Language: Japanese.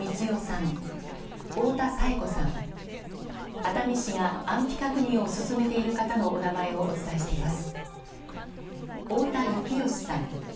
熱海市が安否確認を進めている方のお名前をお伝えしています。